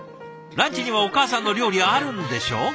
ランチにはお母さんの料理あるんでしょ？